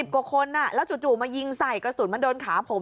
กว่าคนแล้วจู่มายิงใส่กระสุนมันโดนขาผม